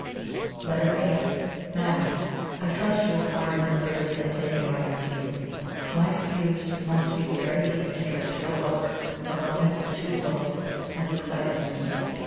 LETTER VIII. "MADAM, "I trust you will pardon the liberty I take in writing to you. My excuse must be the very deep interest your book, 'A Romance of Two Worlds,' has excited in me.